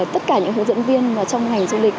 tất cả những hướng dẫn viên trong ngành du lịch